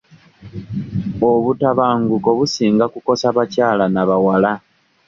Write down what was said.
Obutabanguko businga kukosa bakyala na bawala.